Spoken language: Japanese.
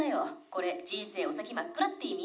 「これ人生お先真っ暗って意味？」